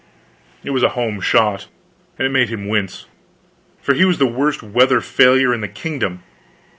It was a home shot, and it made him wince; for he was the worst weather failure in the kingdom.